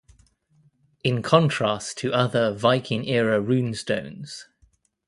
In contrast to other Viking Era runestones.